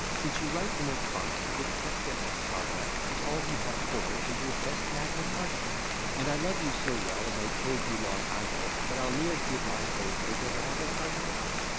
Since you write in a cart, keep it tecta et sarta, 'Tis all you have for it; 'tis your best Magna Carta; And I love you so well, as I told you long ago, That I'll ne'er give my vote for Delenda Cart ago.